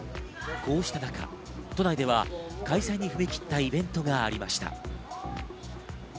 こうした中、都内では開催に踏み切ったイベントがありました。